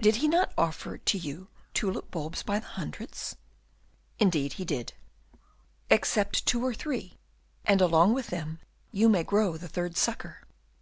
"Did not he offer to you tulip bulbs by hundreds?" "Indeed he did." "Accept two or three, and, along with them, you may grow the third sucker."